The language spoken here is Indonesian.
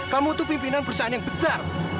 kamu itu pimpinan perusahaan yang besar